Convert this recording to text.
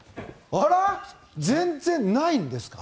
あら？全然ないんですか？